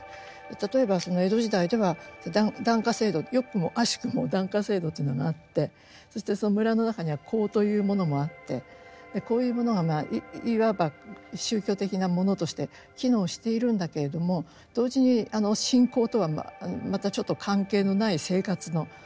例えば江戸時代では檀家制度よくも悪しくも檀家制度というのがあってそしてその村の中には講というものもあってこういうものがいわば宗教的なものとして機能しているんだけれども同時に信仰とはまたちょっと関係のない生活の一部として存在していると。